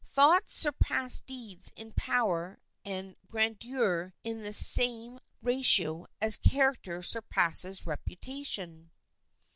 Thoughts surpass deeds in power and grandeur in the same ratio as character surpasses reputation.